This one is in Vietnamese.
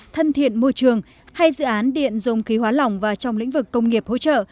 thân thiện môi trường hay dự án điện dùng khí hóa lỏng và trong lĩnh vực công nghiệp hỗ trợ